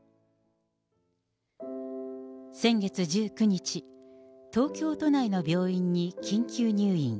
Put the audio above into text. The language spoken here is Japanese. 先月１９日、東京都内の病院に緊急入院。